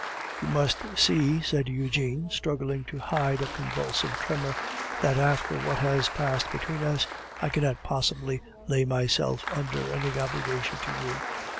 "You must see," said Eugene, struggling to hide a convulsive tremor, "that after what has passed between us, I cannot possibly lay myself under any obligation to you."